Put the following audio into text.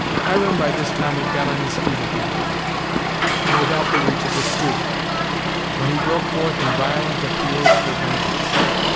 Hiram by this time had got on his feet again, and with out the reach of the steward, when he broke forth in violent appeals for vengeance.